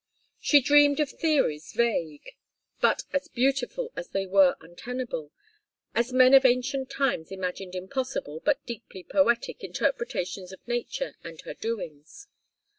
She dreamed of theories vague, but as beautiful as they were untenable, as men of ancient times imagined impossible, but deeply poetic, interpretations of nature and her doings.